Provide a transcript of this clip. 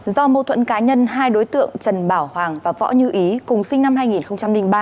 do mâu thuẫn cá nhân hai đối tượng trần bảo hoàng và võ như ý cùng sinh năm hai nghìn ba